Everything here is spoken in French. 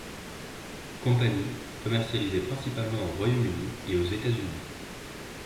Company, commercialisé principalement au Royaume-Uni et aux États-Unis.